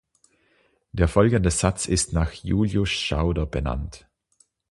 Der folgende Satz ist nach Juliusz Schauder benannt.